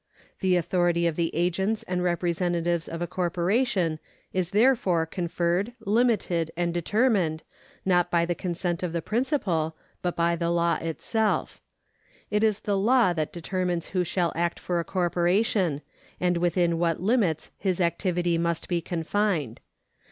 The authority of the agents and representatives of a corporation is therefore con ferred, limited, and determined, not by the consent of the principal, but by the law itself. It is the law that determines who shall act for a corporation, and within what limits his activity must be confined.